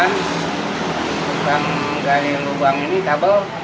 kita menggunakan lubang ini kabel